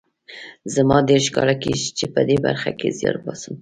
زما دېرش کاله کېږي چې په دې برخه کې زیار باسم